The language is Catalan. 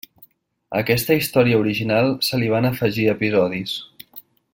A aquesta història original se li van afegir episodis.